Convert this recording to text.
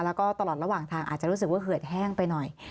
แล้วก็ตลอดระหว่างทางอาจจะรู้สึกว่าเหือดแห้งไปหน่อย